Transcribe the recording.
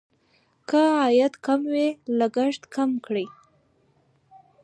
که عاید کم وي لګښت کم کړئ.